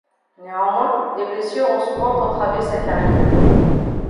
Néanmoins, des blessures ont souvent entravé sa carrière.